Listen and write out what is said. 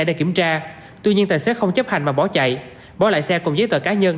để kiểm tra tuy nhiên tài xế không chấp hành mà bỏ chạy bỏ lại xe cùng giấy tờ cá nhân